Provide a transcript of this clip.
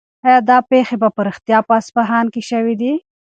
آیا دا پېښې په رښتیا په اصفهان کې شوې دي؟